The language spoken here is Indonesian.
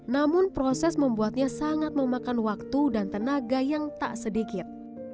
namun proses membuatnya sangat memakan waktu dan tenaga yang tak sedikit